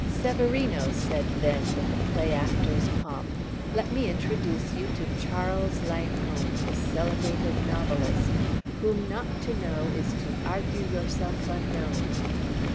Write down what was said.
"Severino," said Venn, with a play actor's pomp, "let me introduce you to Charles Langholm, the celebrated novelist 'whom not to know is to argue yourself unknown.'"